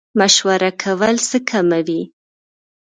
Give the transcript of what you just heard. مشوره کول څه کموي؟